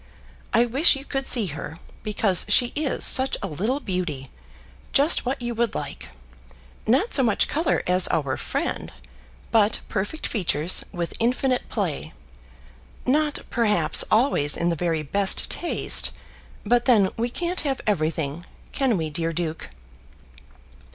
I wish you could see her, because she is such a little beauty; just what you would like; not so much colour as our friend, but perfect features, with infinite play, not perhaps always in the very best taste; but then we can't have everything; can we, dear duke?